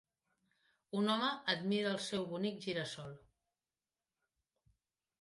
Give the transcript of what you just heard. Un home admira el seu bonic gira-sol.